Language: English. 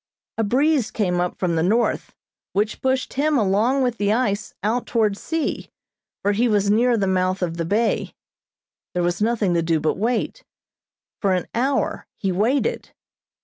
A breeze came up from the north, which pushed him along with the ice out toward sea, for he was near the mouth of the bay. There was nothing to do but wait. For an hour he waited.